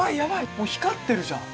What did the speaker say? もう光ってるじゃん！